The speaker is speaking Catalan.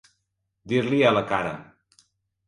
Dir-li a la cara.